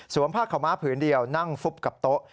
สวมผ้าเข้ามาผืนเดียวนั่งฟุบกับโต๊ะ